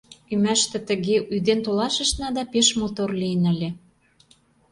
Ӱмаште тыге ӱден толашышна да, пеш мотор лийын ыле.